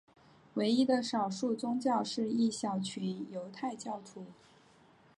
唯一的少数宗教是一小群犹太教徒。